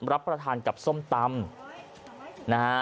รับประทานกับส้มตำ